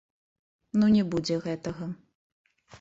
Ну не будзе гэтага.